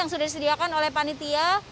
yang sudah disediakan oleh panitia